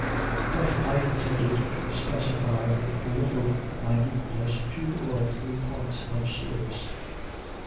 But I intended to specify, with a little minuteness, two or three points of service.